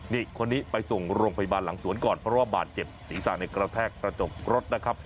นี่คนนี้ไปส่งโรงพยาบาลหลังสวนก่อนเพราะว่าบาดเจ็บศีรษะในกระแทกกระจกรถนะครับ